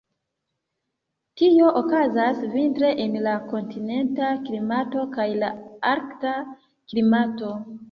Tio okazas vintre en la kontinenta klimato kaj la arkta klimato.